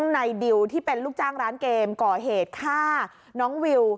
ในดิวที่เป็นลูกจ้างร้านเกมก่อเหตุฆ่าน้องวิว